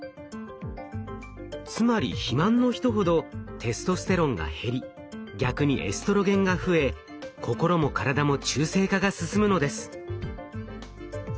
つまり肥満の人ほどテストステロンが減り逆にエストロゲンが増え心も体も中性化が進むのです。